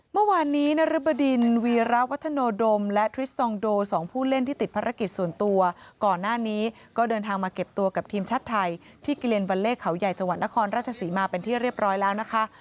เมื่อวานนี้นรบดินวีระวัฒโนดมและทริสตองโดสองผู้เล่นที่ติดภารกิจส่วนตัวก่อนหน้านี้ก็เดินทางมาเก็บตัวกับทีมชาติไทยที่กิเลนวัลเล่เขาใหญ่จังหวัดนครราชศรีมาเป็นที่เรียบร้อยแล้วนะคะ